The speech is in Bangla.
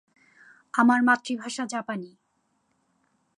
আমার মাতৃভাষা জাপানি।